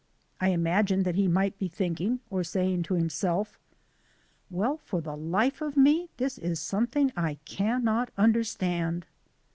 I imagined that he might be thinking or saying to himselt, "Well, for the life of me, this is something I cannot understand!"